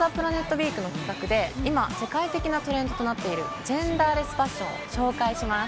ウィークの企画で、今、世界的なトレンドとなっている、ジェンダーレスファッションを紹介します。